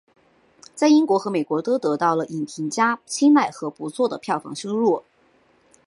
在英国和美国都得到了影评家青睐和不错的票房收入。